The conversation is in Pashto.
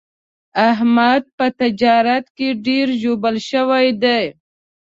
احمد په تجارت کې ډېر ژوبل شوی دی.